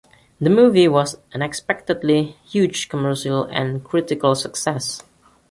The movie was an unexpectedly huge commercial and critical success.